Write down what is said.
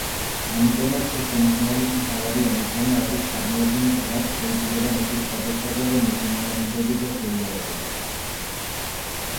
ამიტომაც შემქმნელის მთავარი ამოცანა არის წარმოადგინოს რაც შეიძლება მეტი სხვადასხვაგვარი მოწინააღმდეგე და შეიარაღება.